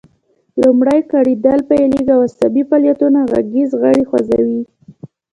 لومړی ګړیدل پیلیږي او عصبي فعالیتونه غږیز غړي خوځوي